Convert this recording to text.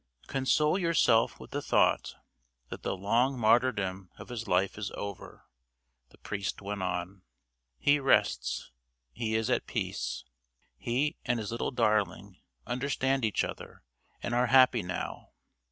"Console yourself with the thought that the long martyrdom of his life is over," the priest went on. "He rests; he is at peace. He and his little darling understand each other, and are happy now.